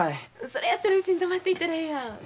それやったらうちに泊まっていったらええやん。